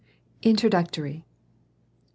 Introductory. 1.